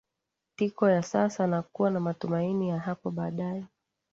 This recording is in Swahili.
tiko ya sasa na kuwa na matumaini ya hapo baadaye